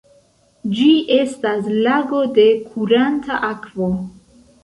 Ĝi estas lago de kuranta akvo.